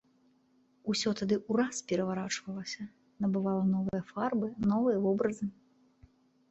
Усё тады ўраз пераварочвалася, набывала новыя фарбы, новыя вобразы.